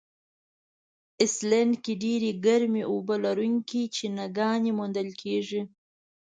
آیسلنډ کې ډېرې ګرمي اوبه لرونکي چینهګانې موندل کیږي.